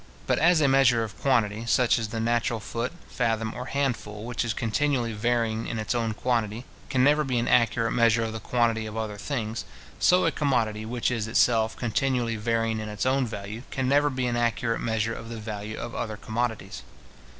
But as a measure of quantity, such as the natural foot, fathom, or handful, which is continually varying in its own quantity, can never be an accurate measure of the quantity of other things; so a commodity which is itself continually varying in its own value, can never be an accurate measure of the value of other commodities.